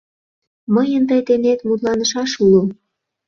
Мыйын тый денет мутланышаш уло.